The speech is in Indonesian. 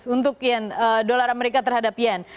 seratus untuk yen dollar amerika terhadap yen